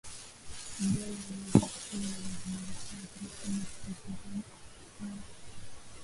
mvua unaweza kuwa na hatari lakini capybara